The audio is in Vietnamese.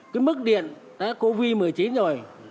cái mức điện đã covid một mươi chín rồi